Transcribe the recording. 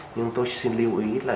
nhưng tôi xin lưu ý là